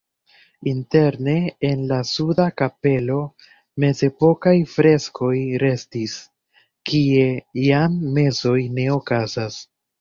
Interne en la suda kapelo mezepokaj freskoj restis, kie jam mesoj ne okazas.